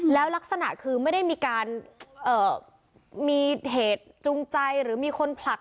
แล้วลักษณะคือไม่ได้มีการมีเหตุจูงใจหรือมีคนผลัก